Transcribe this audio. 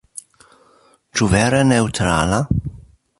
Ĉu vere neŭtrala?